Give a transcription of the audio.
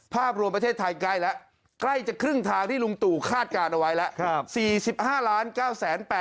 ภาพรวมประเทศไทยใกล้แล้วใกล้จะครึ่งทางที่ลุงตู่คาดการณ์เอาไว้แล้ว